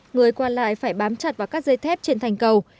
người qua lại phải bám chặt vào các dây thép trên thành cầu